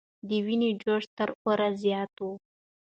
د وینو جوش تر اور زیات و.